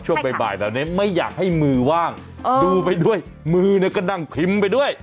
ช่วงบ่ายแบบนี้ไม่อยากให้มือว่างดูไปด้วยมือเนี่ยก็นั่งพิมพ์ไปด้วย